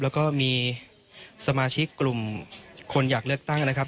แล้วก็มีสมาชิกกลุ่มคนอยากเลือกตั้งนะครับ